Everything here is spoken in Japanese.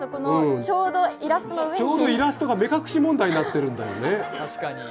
ちょうどイラストが目隠し問題になってるんだよね。